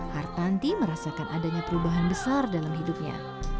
hartanti merasakan adanya perubahan besar dalam hidupnya